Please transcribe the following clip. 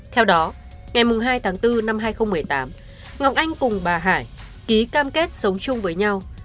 theo đó ngày hai tháng bốn năm hai nghìn một mươi tám ngọc anh cùng bà hải ký cam kết sống chung với nhau